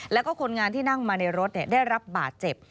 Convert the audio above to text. แล้วก็คนงานที่นั่งมาในรถได้รับบาดเจ็บ